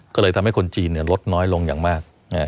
ก็เลยทำให้คนจีนลดน้อยลงอย่างมาก